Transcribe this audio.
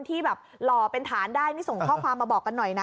ที่แบบหล่อเป็นฐานได้นี่ส่งข้อความมาบอกกันหน่อยนะ